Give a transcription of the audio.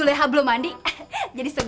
sampai mandi bas ah